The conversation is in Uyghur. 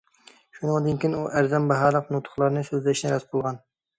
شۇنىڭدىن كېيىن ئۇ ئەرزان باھالىق نۇتۇقلارنى سۆزلەشنى رەت قىلغان.